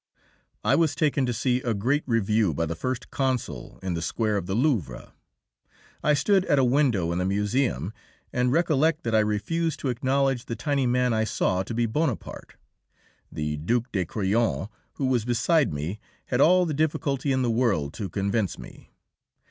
I was taken to see a great review by the First Consul in the square of the Louvre. I stood at a window in the museum, and recollect that I refused to acknowledge the tiny man I saw to be Bonaparte; the Duke de Crillon, who was beside me, had all the difficulty in the world to convince me.